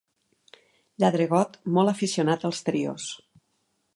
Lladregot molt aficionat als trios.